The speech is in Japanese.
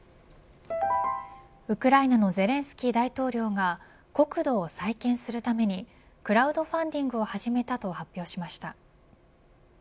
ウクライナのゼレンスキー大統領が国土を再建するためにクラウドファンディングを始めたと発表しました。